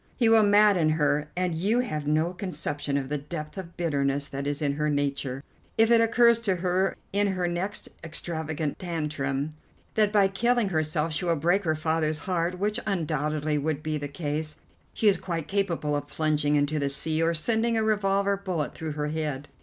He will madden her, and you have no conception of the depth of bitterness that is in her nature. If it occurs to her in her next extravagant tantrum that by killing herself she will break her father's heart, which undoubtedly would be the case, she is quite capable of plunging into the sea, or sending a revolver bullet through her head.